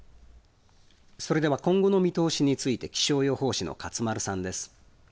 それでは今後の見通しについて、気象予報士の勝丸さんです。